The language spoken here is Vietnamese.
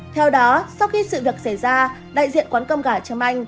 theo đó sau khi sự việc xảy ra đại diện quán cơm gà trâm anh